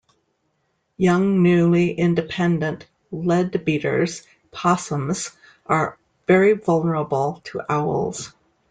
Young, newly independent Leadbeater's possums are very vulnerable to owls.